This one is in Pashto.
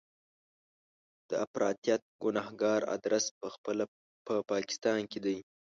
د افراطیت ګنهګار ادرس په خپله په پاکستان کې دی.